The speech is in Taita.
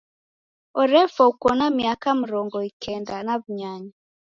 Orefwa uko na miaka mrongo ikenda na w'unyanya.